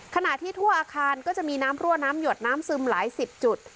ขณะที่ทั่วอาคารก็จะมีน้ำรั่วน้ำหยดน้ำซึมหลายสิบจุด